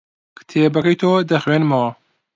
کتێبەکەی تۆ دەخوێنمەوە.